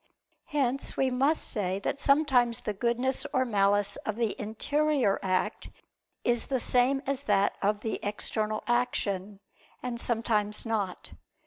Hence we must say that sometimes the goodness or malice of the interior act is the same as that of the external action, and sometimes not.